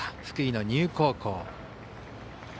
福井の丹生高校。